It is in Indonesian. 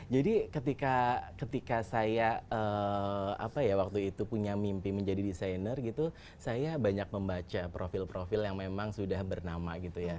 jadi ketika saya apa ya waktu itu punya mimpi menjadi desainer gitu saya banyak membaca profil profil yang memang sudah bernama gitu ya